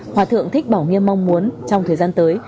hòa thượng thích bảo nghiêm mong muốn trong thời gian tới